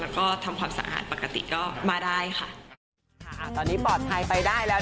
แล้วก็ทำความสะอาดปกติก็มาได้ค่ะ